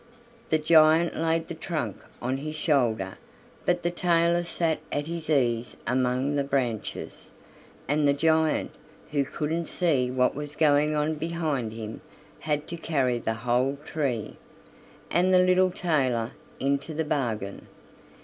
The giant laid the trunk on his shoulder, but the tailor sat at his ease among the branches; and the giant, who couldn't see what was going on behind him, had to carry the whole tree, and the little tailor into the bargain.